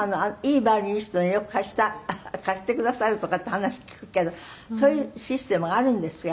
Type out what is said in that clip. いいヴァイオリニストによく貸してくださるとかって話聞くけどそういうシステムがあるんですか？